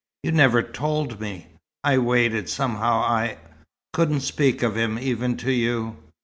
"You never told me." "I waited. Somehow I couldn't speak of him, even to you."